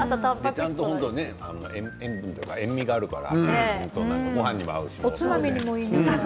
ちゃんと塩分というか塩みがあるからごはんにも合うし。